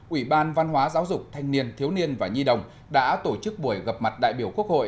ủy ban văn hóa giáo dục thanh niên thiếu niên và nhi đồng đã tổ chức buổi gặp mặt đại biểu quốc hội